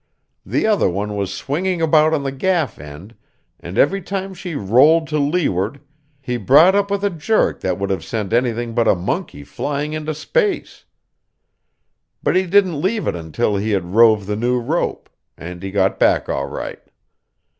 The other one was swinging about on the gaff end, and every time she rolled to leeward he brought up with a jerk that would have sent anything but a monkey flying into space. But he didn't leave it until he had rove the new rope, and he got back all right.